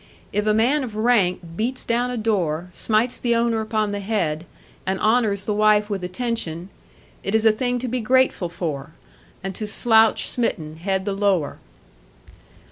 If a man of rank beats down a door, smites the owner upon the head, and honours the wife with attention, it is a thing to be grateful for, and to slouch smitten head the lower.